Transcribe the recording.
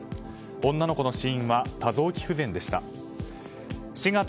女の子の死因は多臓器不全でした。